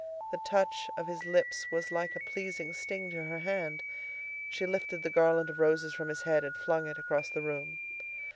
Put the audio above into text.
The touch of his lips was like a pleasing sting to her hand. She lifted the garland of roses from his head and flung it across the room.